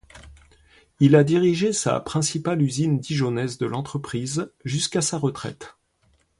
Il a dirigé la principale usine dijonnaise de l'entreprise jusqu'à sa retraite.